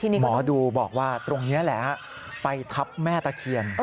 หมอดูบอกว่าตรงนี้แหละไปทับแม่ตะเคียน